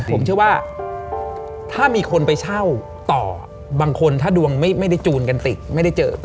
ผมเชื่อว่าถ้ามีคนไปเช่าต่อบางคนถ้าดวงไม่ได้จูนกันติดไม่ได้เจอ